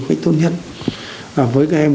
phải tốt nhất và với các em